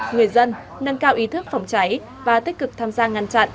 người dân nâng cao ý thức phòng cháy và tích cực tham gia ngăn chặn